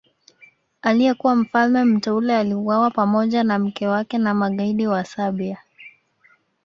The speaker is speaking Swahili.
Aliyekuwa mfalme mteule aliuawa pamoja na mke wake na magaidi wa Serbia